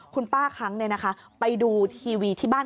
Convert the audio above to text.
คุณป้าค้างเนี่ยนะคะไปดูทีวีที่บ้าน